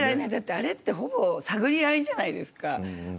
あれは、ほぼ探り合いじゃないですか。